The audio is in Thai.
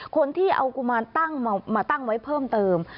คนที่เอากุมารตั้งมาตั้งไว้เพิ่มเติม